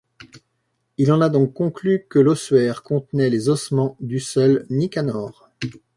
Il en a donc conclu que l'ossuaire contenait les ossements du seul Nicanor.